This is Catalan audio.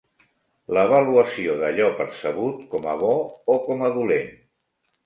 L'avaluació d'allò percebut com a bo o com a dolent.